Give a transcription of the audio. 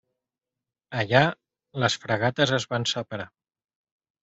Allà, les fragates es van separar.